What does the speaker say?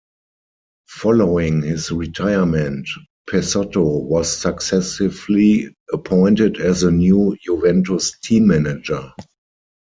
Following his retirement, Pessotto was successively appointed as the new Juventus team manager.